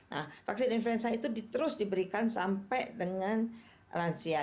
nah vaksin influenza itu terus diberikan sampai dengan lansia